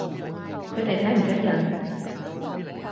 佢哋請唔請人？